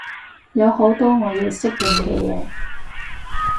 有好多我要適應嘅嘢